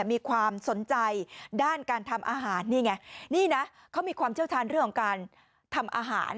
มีความสนใจด้านการทำอาหารนี่ไงนี่นะเขามีความเชี่ยวชาญเรื่องของการทำอาหาร